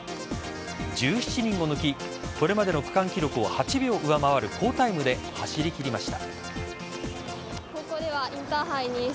１７人を抜きこれまでの区間記録を８秒上回る好タイムで走りきりました。